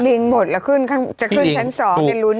พี่ลิงหมดแล้วขึ้นจะขึ้นชั้น๒ในรุ้นอยู่